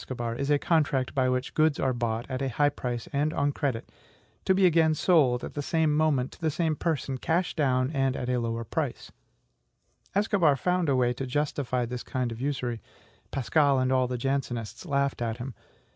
"The contract Mohatra," said Escobar, "is a contract by which goods are bought, at a high price and on credit, to be again sold at the same moment to the same person, cash down, and at a lower price." Escobar found a way to justify this kind of usury. Pascal and all the Jansenists laughed at him.